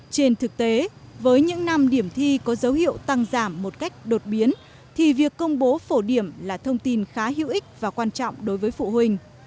trên thực tế với những năm điểm thi có dấu hiệu tăng giảm một cách đột biến thì việc công bố phổ điểm là thông tin khá hữu ích và quan trọng đối với phụ huynh